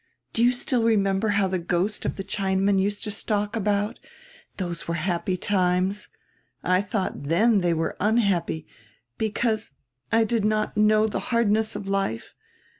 Do you still remember how the ghost of the Chinaman used to stalk about? Those were happy times. I thought then they were unhappy, because I did not yet know die hard ness of life.